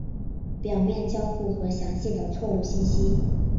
表面交互和详细的错误信息。